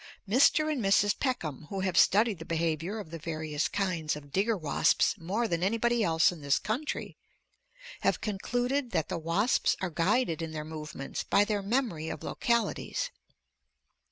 Mr. and Mrs. Peckham, who have studied the behavior of the various kinds of digger wasps more than anybody else in this country, have concluded that the wasps "are guided in their movements by their memory of localities.